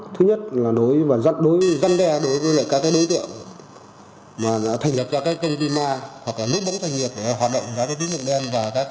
thứ nhất là đối với các đối tượng mà đã thành lập cho các công ty ma hoặc là núp bóng doanh nghiệp để hoạt động tín dụng đen